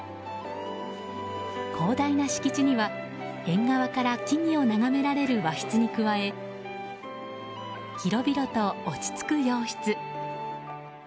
広大な敷地には、縁側から木々を眺められる和室に加え広々と落ち着く洋室。